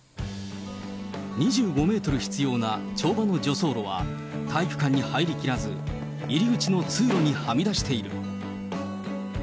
２５メートル必要な跳馬の助走路は、体育館に入りきらず、入り口の通路にはみ出している。